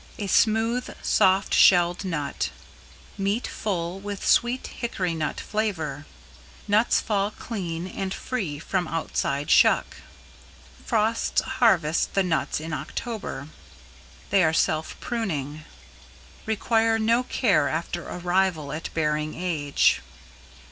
_ A smooth, soft shelled nut. Meat full, with sweet, hickory nut flavor. Nuts fall clean and free from outside shuck. Frosts harvest the nuts in October. They are self pruning. Require no care after arrival at bearing age.